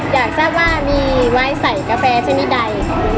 อยากทราบว่ามีไม้ใส่กาแฟชนิดใด